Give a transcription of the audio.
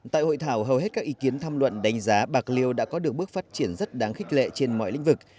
tại hội thảo hầu hết các ý kiến tham luận đánh giá bạc liêu đã có được bước phát triển rất đáng khích lệ trên mọi lĩnh vực